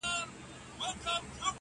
چي د مغولو له بیرغ څخه کفن جوړوي،